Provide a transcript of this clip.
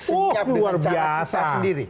senyap dengan cara kita sendiri